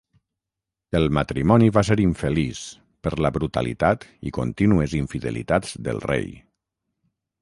El matrimoni va ser infeliç, per la brutalitat i contínues infidelitats del rei.